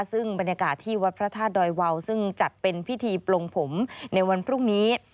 ซึ่งบรรยากาศที่วัดพระธาตุดอยวาวซึ่งจัดเป็นพิธีปลงผมในวันพรุ่งนี้